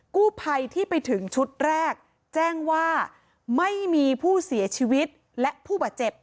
กู้ภัยที่ไปถึงชุดแรกแจ้งว่าไม่มีผู้เสียชีวิตและผู้บาดเจ็บ